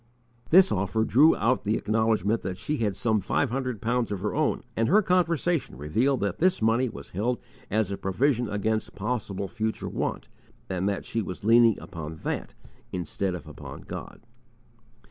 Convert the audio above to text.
This offer drew out the acknowledgment that she had some five hundred pounds of her own; and her conversation revealed that this money was held as a provision against possible future want, and that she was leaning upon that instead of upon God.